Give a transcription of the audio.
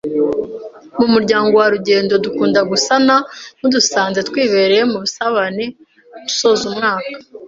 Mu muryango wa Rugendo dukunda gusana mudusanze twiereye mu usane usoza umwaka